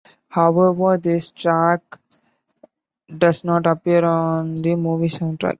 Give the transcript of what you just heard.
However, this track does not appear on the movie's soundtrack.